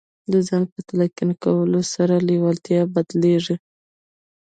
د ځان په تلقین کولو سره لېوالتیا بدلېږي